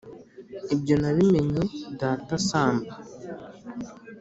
ibyo nabimenye data asamba